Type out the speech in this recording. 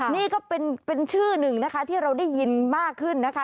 นี่ก็เป็นชื่อหนึ่งนะคะที่เราได้ยินมากขึ้นนะคะ